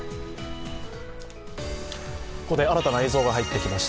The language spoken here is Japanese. ここで新たな映像が入ってきました。